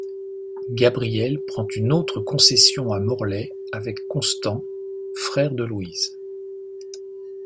Gabriel prend une autre concession à Morlaix avec Constant, frère de Louise.